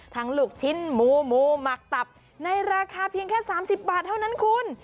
ลูกชิ้นหมูหมูหมักตับในราคาเพียงแค่๓๐บาทเท่านั้นคุณ